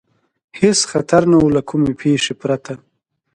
هېڅ خطر نه و، له کومې پېښې پرته.